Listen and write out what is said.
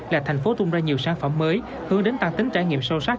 là thành phố tung ra nhiều sản phẩm mới hướng đến tăng tính trải nghiệm sâu sắc